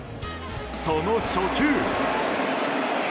その初球。